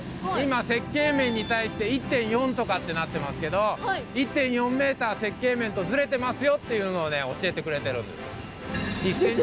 今、設計面に対して、１．４とかってなってますけど、１．４メーター設計面とずれてますよっていうのをね、教えてくれてるんです。